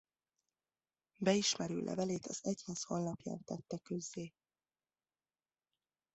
Beismerő levelét az egyház honlapján tette közzé.